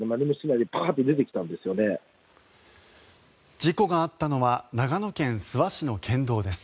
事故があったのは長野県諏訪市の県道です。